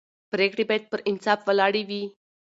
پرېکړې باید پر انصاف ولاړې وي